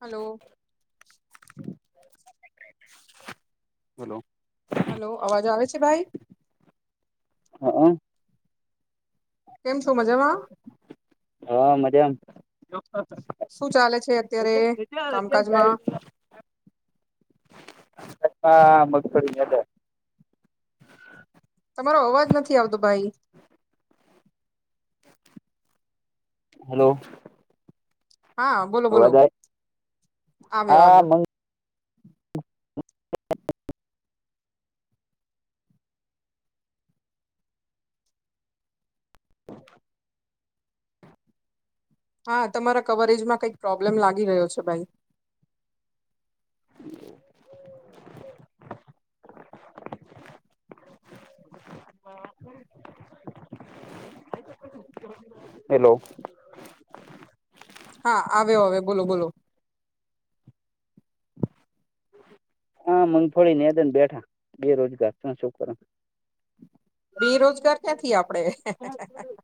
Hello hello hello અવાજ આવે છે ભાઈ હા કેમ છો મજામાં હા શું ચાલે છે અત્યારે મઝામાં કામકાજમાં [unintelligible] છતાં મગફડીને તમારો અવાજ નથી આવતો ભાઈ હલો હા બોલો બોલો આવે આવે હા આવ્યો મંગ હા તમારા કવરેજ માં કંઈક પ્રોબ્લેમ લાગી રહ્યો છે ભાઈ [inaudible] હેલો. હા, આવ્યો હવે બોલો બોલો? હા, મગફળી નેદન બેઠા બેરોજગાર શું કરુ બેરોજગાર ક્યાંથી આપડે?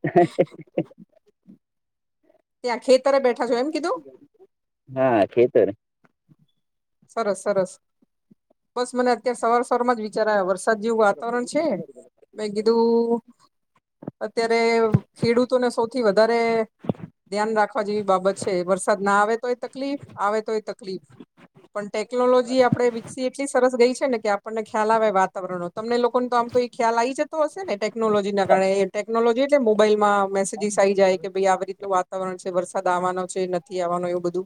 [inaudible] ત્યાં ખેતરે બેઠા છો એમ કીધું? હા, ખેતરે. સરસ સરસ બસ મને કે સવાર સવારમાં જે વિચાર આવ્યો. વરસાદ જેવું વાતાવરણ છે મેં કીધું. અત્યારે ખેડૂતોને સૌથી વધારે ધ્યાન રાખવા જેવી બાબત છે. વરસાદ ના આવે, તો એ તકલીફ, આવે તો એ તકલીફ. પણ ટેકનોલોજી આપડે વિકસી એટલી સરસ ગઈ છે ને, કે આપણને ખ્યાલ આવે વાત તાવરણો તમને લોકોને તો આમ તો એ ખ્યાલ આવી જતો હશેને, ટેકનોલોજીના કારણે ટેકનોલોજી એટલે મોબાઈલમાં મેસેજિસ આવી જાય કે ભાઈ આવી રીતનું વાતાવરણ છે વરસાદ આવાનો છે, નથી આવાનો એવું બધું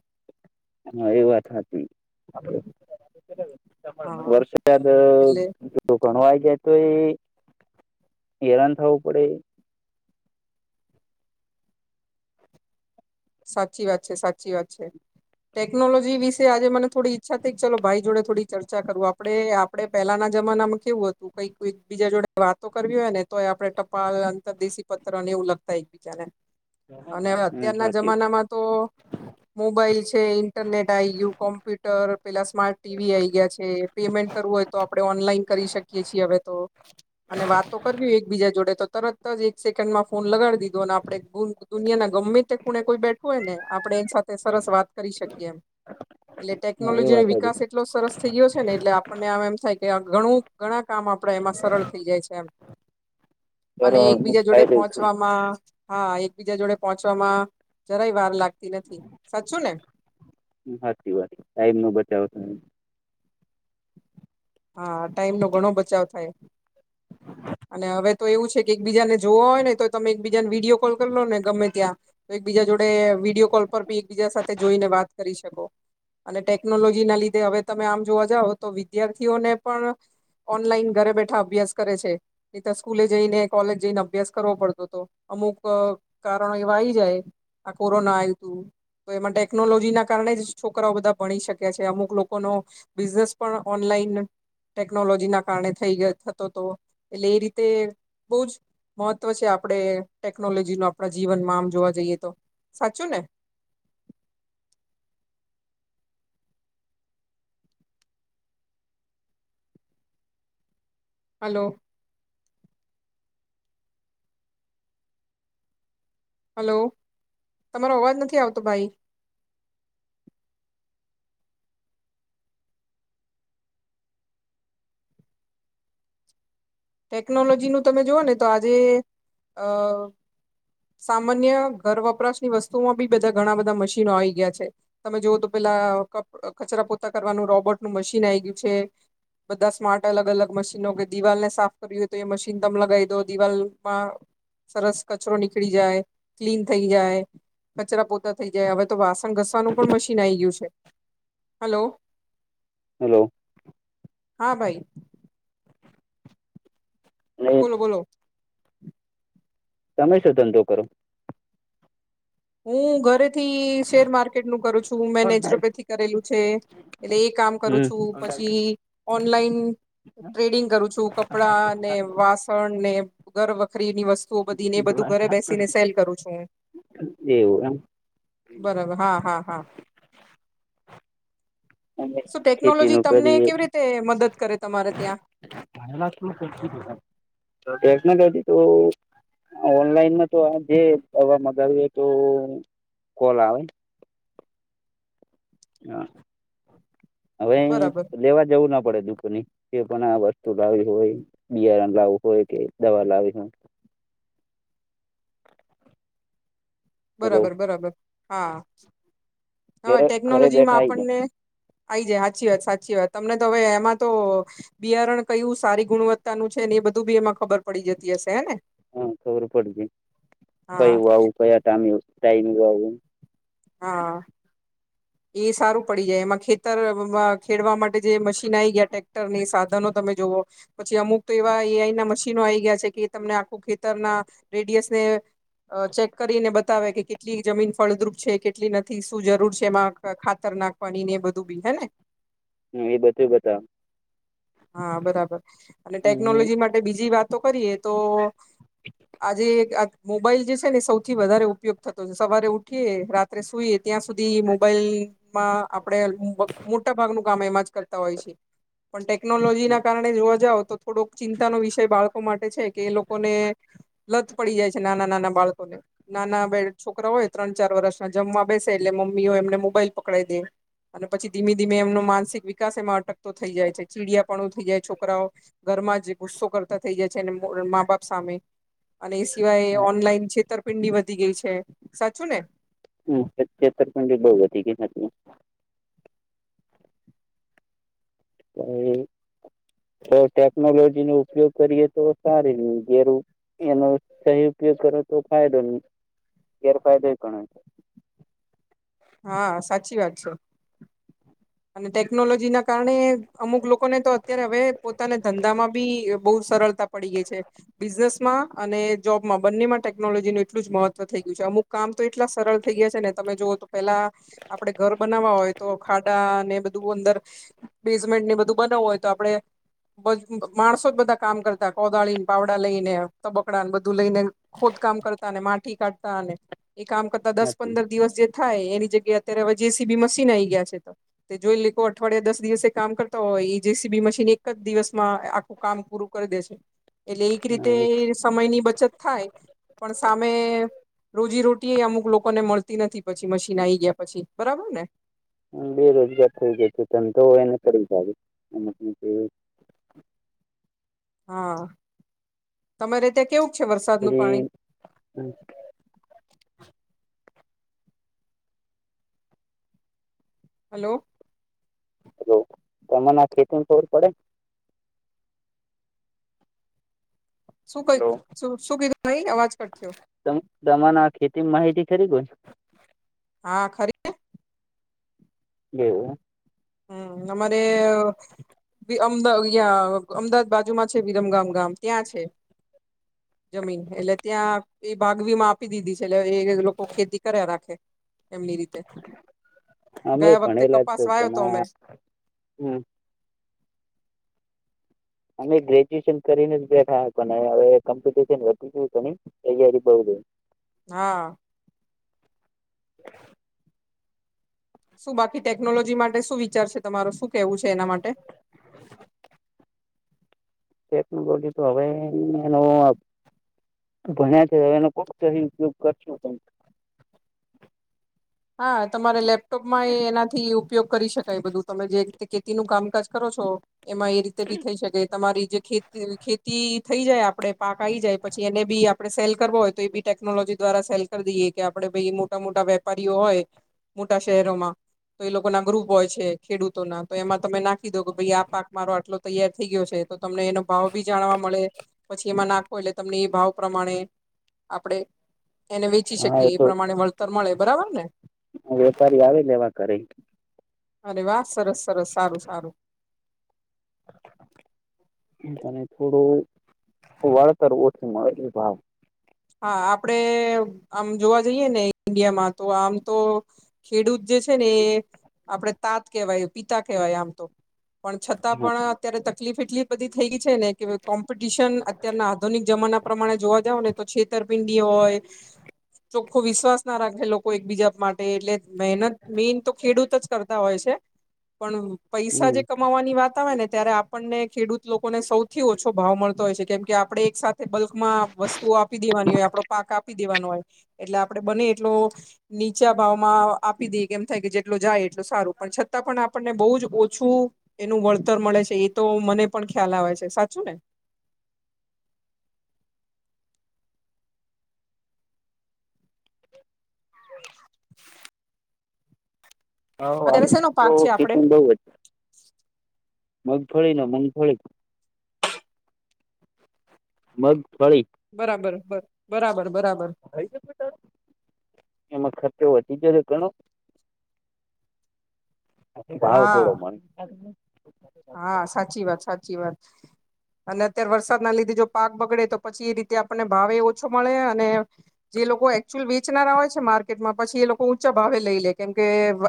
હા, એ વાત હાચી. હા વરસાદ એટલે તો ઘણું આવી જાય તોએ હેરાન થવું પડે. સાચી વાત છે, સાચી વાત છે. ટેકનોલોજી વિશે આજે મને થોડી ઈચ્છા થઈ કે ચલો ભાઈ જોડે થોડી ચર્ચા કરૂ આપડે આપડે પહેલાના જમાનામાં કેવું હતું, કંઈકઈ બીજા જોડે વાતો કરવી હોયને, તો આપડે ટપાલ, અંતરદેશી પત્રને એવું લખતા એક બીજાને અને હમ અત્યારના હાચી જમાનામાં તો મોબાઈલ છે, ઇન્ટરનેટ આ ગયું. કોમ્પ્યુટર પહેલા સ્માર્ટ ટીવી આ ગયા છે. પેમેન્ટ કરવું હોય, તો આપડે ઓનલાઈન કરી શકીએ છીએ હવે તો અને વાતો કરવી, એકબીજા જોડે તો તરત જ એક સેકન્ડમાં ફોન લગાડી દીધો અને આપડે દુનિયાના ગમે તે ખૂણે કોઈ બેઠું હોયને, આપડે એની સાથે સરસ વાત કરી શકીએ એમ. એટલે હા એ ટેકનોલોજીનો વાત હાચી વિકાસ એટલો સરસ થઈ ગયો છે ને, એટલે આપણને આમ એમ થાય કે ઘણું ઘણા કામ આપડે એમાં સરળ થઈ જાય છે એમ. અને એકબીજા જોડે પહોંચવામ માં હા એકબીજા જોડે પહોંચવામાં જરાય વાર લાગતી નથી. સાચું ને? હાચી વાત ટાઈમનો બચાવો થાય. હા, ટાઈમનો ઘણો બચાવ થાય. અને હવે, તો એવું છે કે એક બીજાને જોવો હોયને, તો તમે બીજાને વિડીયો કોલ કર લો ને ગમે ત્યાં તો એકબીજા જોડે વિડીયો કોલ પર બી એકબીજા સાથે જોઈને, વાત કરી શકો. અને ટેકનોલોજીના લીધે હવે, તમે આમ જોવા જાવ તો વિદ્યાર્થીઓને પણ ઓનલાઈન ઘરે બેઠા અભ્યાસ કરે છે. એ તો સ્કૂલે જઈને, કોલેજ જઈને અભ્યાસ કરવો પડતો હતો. અમુક કારણ એવાય જાય, આ કોરોના આ તું તો એમાં ટેકનોલોજીના કારણે જ છોકરાઓ બધા ભણી શક્યા. અમુક લોકોનો બિઝનેસ પણ ઓનલાઈન ટેકનોલોજીના કારણે થઈ થતો હતો. એટલે એ રીતે બહુ જ મહત્વ છે, આપણે ટેકનોલોજીનનું આપણા જીવનમાં આમ જોવા જઈએ. તો સાચું ને? હલો. હલો. તમારો અવાજ નથી આવતો ભાઈ? ટેકનોલોજીનું તમે જુઓ ને તો આજે અ સામાન્ય ઘર વપરાશની વસ્તુમાં બી બધા ઘણા મશીનો આવી ગયા છે. તમે જોવઓ તો પેલા કચરા પોતા કરવાનું રોબોટનું મશીન આઈ ગયું છે. બધા સ્માર્ટ અલગ અલગ મશીનો કે દિવાલને સાફ કર તો એ મશીન તમ લગાવી દો દિવાલમાં સરસ કચરો નીકળી જાય ક્લીન થઈ જાય કચરા પોતા થઈ જાય તો વાસણ ઘસવાનું પણ મશીન આઈ ગયું છે હલો હલો હા ભાઈ અને બોલો બોલો તમે શુ ધંધો કરો હું ઘરેથી શેર માર્કેટ નું કરું છું મેં નેચરોપેથી કરેલું છે એટલે એ કામ કરું હમ છું પછી ઓનલાઈન ટ્રેડિંગ કરું છું કપડા ને વાસ ને ઘર વખરી ની વસ્તુઓ બધી ને એ બધું ઘરે બેસીને સેલ કરું છું હું એવું એમ બરાબર હા હા હા એમ શ ખેતી ટેકનોલોજી નું તમને કરીએ કેવી રીતે મદદ કરે તમારે ત્યાં ટેક્નોલોજી તો ઓનલાઈનમાં તો આ જે દવા મગાવીએ તો કોલ આવે હા હવે બરાબર લેવા જવું ના પડે દુખ નની એ પણ આ વસ્તુ લાવી હોય બિયારણ લાવવ હોય કે દવા લાવી હોય એટલે બરાબર બરાબર હા હવે ઘરે ઘરે ટેકનોલોજીમાં બેઠા આઈ જાય આપણને આ આવી સાચી વાત સાચી વાત તો હવે એમાં તો બિયારણ કયું સારી ગુણવત્તાનું છે ને એ બધું બી એમાં ખબર પડી જતી હશે હેને હા ખબર પડતી કઈ વાવું કયા ટાઈમે ટાઈમ વાવું હા એ સારું પડી જાય એમાં ખેતર ખેડવા માટે જે મશીનઈ ગયા ટ્રેક્ટરની સાધનો તમે જોવઓ પછી અમુક તો એવા એઆઈ ના મશીનો આ આવી ગયા છે કે તમને આખું ખેતરના રેડિયસને અ ચેક કરીને બતાવે કે કેટલી જમીન ફળદ્રુપ છે કેટલી નથી શું જરૂર છે એમાં ખાતર નાખવાની ને એ બધું બી હે ને હમ એ [unintelligible] હા બરાબર અને બતાવે ટેકનોલોજી માટે બીજી વાતો કરીએ તો આજે મોબાઈલ જે છે ને સૌથી વધારે ઉપયોગ થતો છે સવારે ઉઠીએ રા સુઈએ ત્યાં સુધી મોબાઈલમાં આપડે મોટા ભાગનું કરતા હોય છે પણ ટેકનોલોજી ના કારણે જોવા જાવ તો થોડોક ચિંતાનો વિષય બાળકો માટે છે કે એ લોકોને લત પડી જાય છે નાના નાના બાળકો નાના બે છોકરા હોય ત્રણ ચાર વરસના જમવા બેસે એટલે મમ્મીઓ એમને મોબાઈલ પકડાડી દે. અને પછી ધીમે ધીમે એમનો માનસિક વિકાસ એમાં અટકતો થઈ જાય છે ચીડિયાપણો થઈ જાય છોકરાઓ. જે ગુસ્સો થઈ જાય છે મા બાપ સામે. અને એ સિવાય ઓનલાઈન છેતરપિંડી વધી ગઈ છે, સાચું ને? હમ પત્યાત્તર પોઈન્ટ બહુ હતી કે [inaudible] તો ટેકનોલોજી નો ઉપયોગ કરીએ તો સારી ગર [inaudible] એનો સહી ઉપયોગ કરો તો ફાયદો ન ગેરફાયદો પણ. હા સાચી વાત છે. અને ટેકનોલોજી ના કારણે અમુક લોકોને તો અત્યારે હવે પોતાના ધંધામાં બી બહુ સરળતા પડી ગઈ છે બિઝનેસમાં અને જોબમાં બંનેમાં ટેકનોલોજીનું એટલું જ મહત્વ થઈ ગયું છે. અમુક કામ તો એટલા સરળ થઈ ગયા છે ને તમે જોઓ તો પેલા આપડે ઘર બનાવવા હોય તો ખા [inaudible] અનેને બધું અંદર બેઝમેન્ટની બધું બનાવવું હોય તો આપડે માણસો ધ કામ કરતા કોદાળીને પાવડા લઈ ને તબકડાને બધું લઈને ખોદકામ કરતા અને માટી કાઢતા અને એ કામ કરતા દસ નથી પંદર દિવસ જે થાય એની જગ્યાએ અત્યારે હવે જેસીબી મશીન આઈ ગયા છે તો તે જોઈ એ લોકો અઠવાડિયા દસ દિવસે કામ કરતા હોય એ જેસીબી મશીન એક જ દિવસ માં આખું કામ પૂરું કરી દે. એટલે એક રીતે સમયની બચત થાય પણ સામે રોજી રોટી એ અમુક લોકોને મળતી નથી પછી મશીન આઈ ગયા પછી બરાબર ને? બેરોજગાર થઈ જયો છે ધંધો એને કરી જાય એ હા તમારેતે કેવું છે વરસાદ? એ હ [inaudible] હલો? હ તમાને ખેતીમાં થરૂર પડે [inaudible] શું હલો કઈ શું કીધું અવાજ કટ થયો. તમારા ખેતીમાં માહિતી ખરી કોય [inaudible] હા ખરી. એવું. હમ આમારે અમદાવાદ બાજુમાં છે વિરમગામ ગામ ત્યાં છે જમીન એટલે ત્યાં એ બાઘવીમા આપી દીધી છે એટલે એ લોકો ખેતી કર્યા રાખે. એમની રીતે અમે ગયા વખતે કપાસ વાયો તો અમે. હમ. અમે ગ્રેજ્યુએશન કરીને જ બેઠા હવે કોમ્પિટશન વધી ગયું છે. [inaudible] હા. શું બાકી ટેકનોલોજી માટે શું વિચાર છે તમારો શું કેવું છે એના માટે? [inaudible] ટેકનોલોજી તો હવે [unintelligible] ભણ્યા છે હવે એનો કોક સહી ઉપયોગ કરશું ત હા તમારે લેપ લેપટોપમાં એનાથી ઉપયોગ કરી શકાય બધું તમે જે રીતે ખેતી નું કામકાજ કરો છો એમાં એ રી તે ભી થઈ શકે તમારી જે ખેતી ખેતી થઈ જાય આપડે પાક આવી જાય પછી એને બી આપણે સેલ કરવો હોય તો એ બી ટેક્નોલોજી દ્વારા સેલ કરી દઈએ કે આપડે ભાઈ મોટા મોટા વે વપારી હોય મોટા શહેરોમાં તો એ લોકો ના ગ્રુપ હોય છે ખેડૂતો ના તો એમાં તમે નાખ કીધો કે ભાઈ આ પાક મારો આટલો તૈયાર થઈ ગયો છે તો તમને એનો ભાવ ભી જાણવા મળે પછી એમાં નાક એટલે તમને એ ભાવ પ્રમાણે આપણેે એને વેચી હા શકીએ એ તો પ્રમાણે વળતર મળે બરાબર ને વેપારી આવે લેવા ઘરે અને વાહ સરસ સરસ સારું સારું અને થોડું વાળતર ઓછું મળે છે ભાવ હા આપડે આમ જોવા જઈએ ને ઈન્ડિયામાં તો આમ તો ખેડૂત જે છે ને એ આપડે તાત કેવાય પિતા કહેવાય આમ તો પણ છતાં પણ હમ અત્યારે તકલીફ એટલી બધી થઈ ગઈ છે ને કે કોમ્પિટિશન અત્યના આધુનિક જમાના પ્રમાણે જોવા જાવ ને તો છેતરપિંડી હોય ચોખ્ખો વિશ્વાસ ના રાખે લોકો એકબીજા માટે એટલે મહેનત મેન તો ખેડૂત જ કરતા હોય છે પણ પૈસા જે કમાવાની વાત આવે ને ત્યારે આપ આપણને ખેડૂત લોકોને સૌથી ઓછો ભાવ મળતો હોય છે કેમ કે આપણે એક સાથે બલ્કમાં વસ્તુ આપ આપી દેવાની હોય આપડો પાક આપી દેવાનો હોય એટલે આપડે બને એટલો નીચા ભાવમાં આપી દઈએ કેમ થાય કે જેટલો જાય એટલ સારું પણ છતાં પણ આપણને બહુ જ ઓછું એનું વળતર મળે છે એ તો મને પણ ખ્યાલ આવે છે સાચું ને [inaudible] હા અત્યારે શેનો તો પાક છે આપડે કતન બ જ મગફળી ન મગફળી મગ ફળી બરાબર બરાબર બરાબર [unintelligible] જ એમાં ખર્ચો વધી જશે ઘણો [inaudible] ભાવ હા થોડો પણ હા સાચી વાત સાચી વાત અને અત્યારે વરસાદના લીધે જો પાક બગડે તો પછી એ રીતે આપણને ભાવે ઓછો મળે અને જે લોકો એકચુઅલ વેચનારા હોય છે માર્કેટમાં પછી એ લોકો ઊંચા ભાવે લઈ લે કેમ કે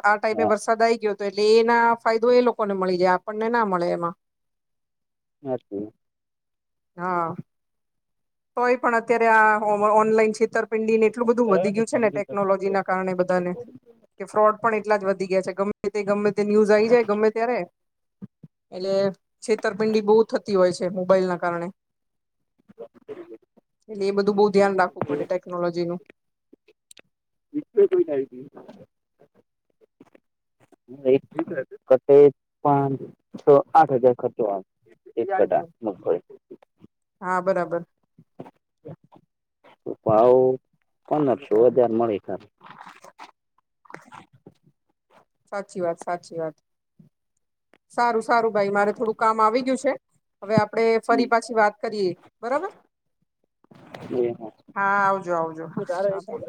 આ ટાઈમે વરસાદ આઈ ગયો હતો એટલે એના ફાયદો એ લોકોને મળી જાય આપણને ના મળે એમાં હાચુ હા તોઈ પણ અત્યારે આ ઓનલાઈન છેતર પિંડી ને એટલું બધું વધી ગયું છે ને ટેકનોલોજીના કારણે બધાને કે ફ્રોડ પણ એટલા જ વધી ગયા છે ગમે તે ગમે તે ન્યુઝ આવી જાય ગમે ત્યારે એટલે છેતરપિંડી બહુ થતી હોય છે મોબાઈલ ના કારણે એટલે એ બધું બહુ ધ્યાન રાખવું પડે ટેકનોલોજી નનું [unintelligible] એક પણ છ આઠ હજાર ખર્ચો આવે એટ પાટા મગફળી હા બરાબર ભાવ પંદરસો હજાર મળે ખાર [unintelligible] સાચી વાત સાચી વાત સારું સારું ભાઈ મારે થોડું કામ આવી ગયું [unintelligible] હવે આપડે ફરી પાછી વાત કરીએ બરાબર હા આવજો [unintelligible] જોા ભાઈ